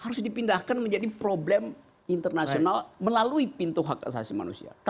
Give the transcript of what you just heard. harus dipindahkan menjadi problem internasional melalui pintu hak asasi manusia